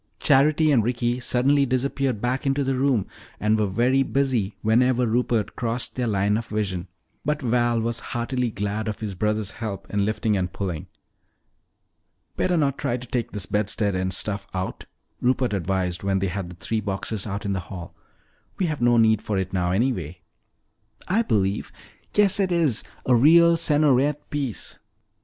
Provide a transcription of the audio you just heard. Charity and Ricky suddenly disappeared back into the room and were very busy whenever Rupert crossed their line of vision, but Val was heartily glad of his brother's help in lifting and pulling. "Better not try to take this bedstead and stuff out," Rupert advised when they had the three boxes out in the hall. "We have no need for it now, anyway." "I believe yes, it is! A real Sergnoret piece!"